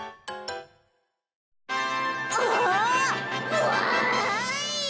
うわわい！